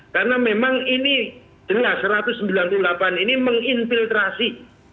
karena memang ini dengar satu ratus sembilan puluh delapan ini menginfiltrasi